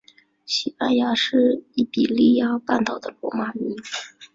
西班牙是伊比利亚半岛的罗马名。